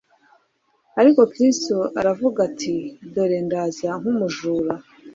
Ariko Kristo aravuga ati : "Dore ndaza nk'umujura.''"